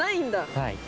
はい。